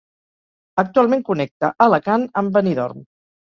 Actualment connecta Alacant amb Benidorm.